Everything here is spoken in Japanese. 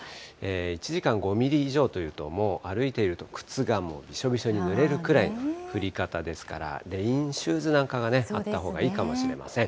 １時間５ミリ以上というと、もう歩いていると靴がびしょびしょにぬれるくらいの降り方ですから、レインシューズなんかがあったほうがいいかもしれません。